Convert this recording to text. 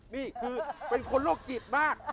นี่คือเป็นคนโรคจิตมาก